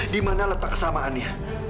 dimana letak kesamaannya